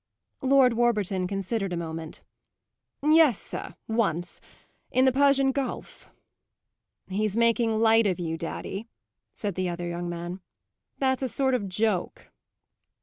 Lord Warburton considered a moment. "Yes, sir, once, in the Persian Gulf." "He's making light of you, daddy," said the other young man. "That's a sort of joke."